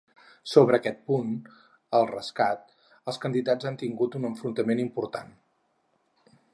Sobre aquest punt, el rescat, els candidats han tingut un enfrontament important.